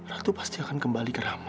ratu pasti akan kembali ke rama